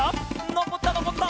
のこったのこった！